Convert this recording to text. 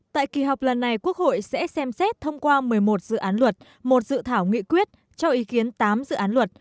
tại kỳ họp lần này quốc hội sẽ xem xét thông qua một mươi một dự án luật một dự thảo nghị quyết cho ý kiến tám dự án luật